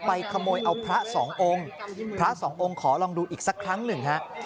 ขโมยเอาพระสององค์พระสององค์ขอลองดูอีกสักครั้งหนึ่งฮะ